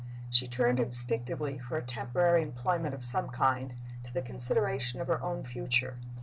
She turned instinctively, for a temporary employment of some kind, to the consideration of her own future.